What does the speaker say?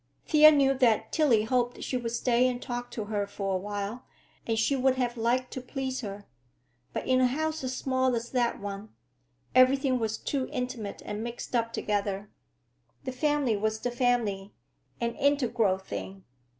Thea knew that Tillie hoped she would stay and talk to her for a while, and she would have liked to please her. But in a house as small as that one, everything was too intimate and mixed up together. The family was the family, an integral thing.